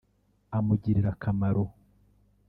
amugiririra akamaro